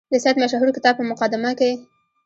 د سید مشهور کتاب په مقدمه کې.